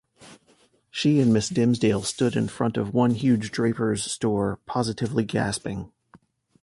She and Miss Dimsdale stood in front of one huge draper's store positively gasping.